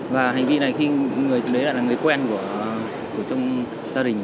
và hành vi này khi người đấy lại là người quen của trong gia đình